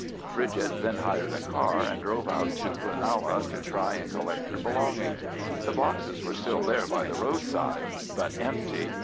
Bridget then hired a car and drove out to Cloonalla to try and collect her belongings. The boxes were still there by the roadside, but empty.